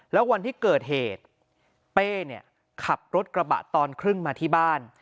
แล้ววันที่เกิดเหตุเป้เนี่ยขับรถกระบะตอนครึ่งมาที่บ้าน